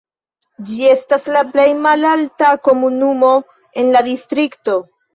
Ĝi estas la plej malalta komunumo en la distrikto.